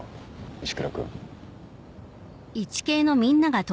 石倉君。